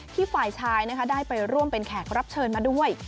ฝ่ายชายได้ไปร่วมเป็นแขกรับเชิญมาด้วย